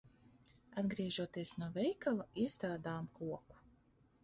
Atgriežoties no veikala, iestādām koku.